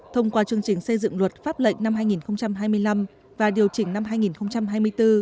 thông qua chương trình xây dựng luật pháp lệnh năm hai nghìn hai mươi năm và điều chỉnh năm hai nghìn hai mươi bốn